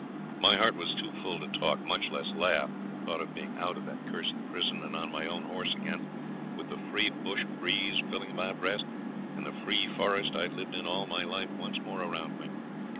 My heart was too full to talk, much less laugh, with the thought of being out of that cursed prison and on my own horse again, with the free bush breeze filling my breast, and the free forest I'd lived in all my life once more around me.